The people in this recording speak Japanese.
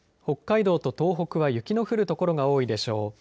北海道と東北は雪の降る所が多いでしょう。